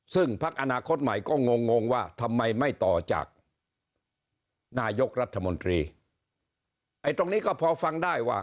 ซึ่งพักอนาคตใหม่ก็งงงงว่าทำไมไม่ต่อจากนายกรัฐมนตรีไอ้ตรงนี้ก็พอฟังได้ว่า